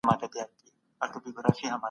د دورکهايم تګلاره ډېره روښانه وه.